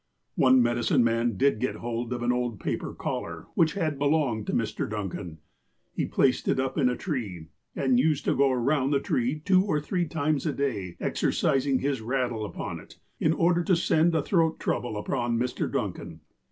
One medicine man did get hold of an old paper collar, which had belonged to Mr. Duncan. He placed it up in a tree, and used to go around the tree two or three times a day, exercising his rattle upon it, in order to send a throat trouble upon Mr. Duncan.